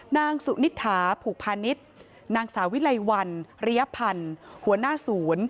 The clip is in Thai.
นางสุนิษฐาผูกพาณิชย์นางสาวิไลวันริยพันธ์หัวหน้าศูนย์